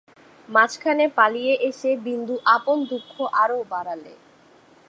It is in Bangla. মাঝখানে পালিয়ে এসে বিন্দু আপন দুঃখ আরও বাড়ালে।